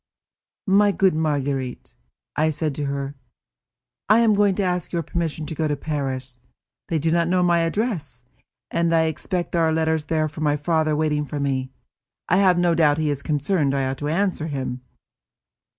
"My good Marguerite," I said to her, "I am going to ask your permission to go to Paris. They do not know my address, and I expect there are letters from my father waiting for me. I have no doubt he is concerned; I ought to answer him."